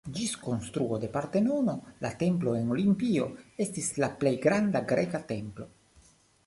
Ĝis konstruo de Partenono la templo en Olimpio estis la plej granda greka templo.